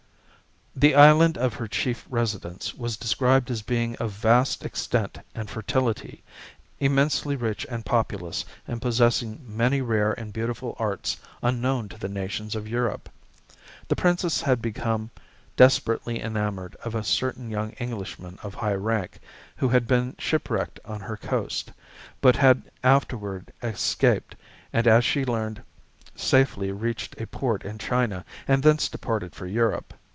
The island of her chief residence was described as being of vast extent and fertility, immensely rich and populous, and possessing many rare and beautiful arts unknown to the nations of Europe. The princess had become desperately enamored of a certain young Englishman of high rank, who had been shipwrecked on her coast, but had afterward escaped, and as she learned, safely reached a port in China, and thence departed for Europe.